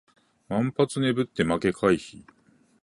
万発捲って負け回避